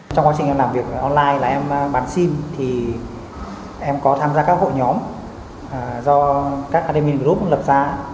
trong quá trình em làm việc online là em bán sim thì em có tham gia các hội nhóm do các admin group lập ra